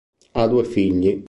Ha due figli.